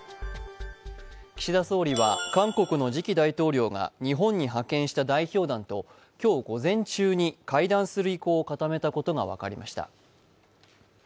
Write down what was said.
岸田総理は韓国の次期大統領が日本に派遣した代表団と今日午前中に会談する意向を固めたことが分かりました。